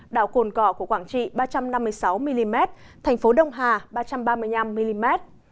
đảo cồn cỏ của quảng trị ba trăm năm mươi sáu mm thành phố đông hà ba trăm ba mươi năm mm